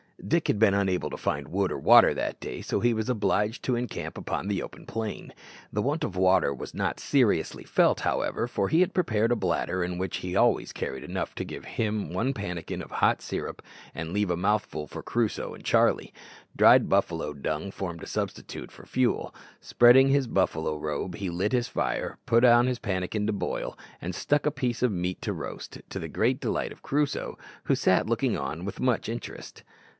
Dick had been unable to find wood or water that day, so he was obliged to encamp upon the open plain. The want of water was not seriously felt, however, for he had prepared a bladder in which he always carried enough to give him one pannikin of hot sirup, and leave a mouthful for Crusoe and Charlie. Dried buffalo dung formed a substitute for fuel. Spreading his buffalo robe, he lit his fire, put on his pannikin to boil, and stuck up a piece of meat to roast, to the great delight of Crusoe, who sat looking on with much interest.